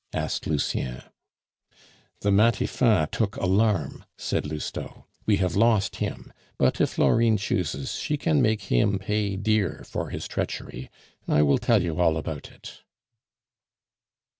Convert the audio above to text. asked Lucien. "The Matifat took alarm," said Lousteau. "We have lost him; but if Florine chooses, she can make him pay dear for his treachery. I will tell you all about it."